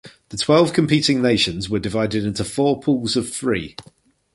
The twelve competing nations were divided into four pools of three.